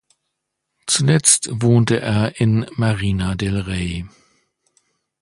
Zuletzt wohnte er in Marina del Rey.